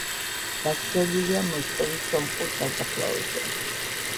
დაკრძალულია მოსკოვის სომხურ სასაფლაოზე.